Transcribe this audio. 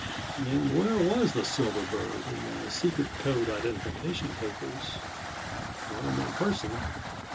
And where was the silver bird and my secret code identification papers? Not on my person.